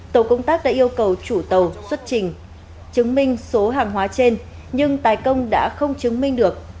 tổ công tác đã yêu cầu chủ tàu xuất trình chứng minh số hàng hóa trên nhưng tài công đã không chứng minh được